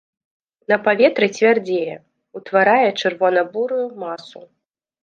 На паветры цвярдзее, утварае чырвона-бурую масу.